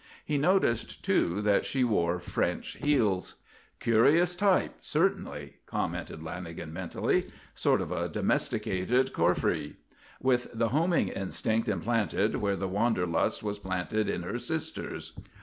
He noticed, too, that she wore French heels. "Curious type certainly," commented Lanagan mentally. "Sort of a domesticated coryphée; with the homing instinct implanted where the wanderlust was planted in her sisters.